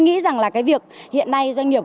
nghĩ rằng là cái việc hiện nay doanh nghiệp